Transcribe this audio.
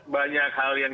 banyak hal yang